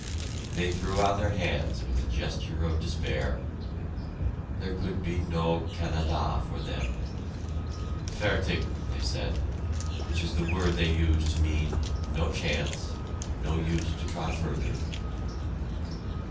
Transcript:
They threw out their hands with a gesture of despair there could be no Canada for them. "Fertig," they said which is the word they use to mean "no chance," "no use to try further."